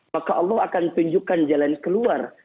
maka allah akan tunjukkan jalan keluar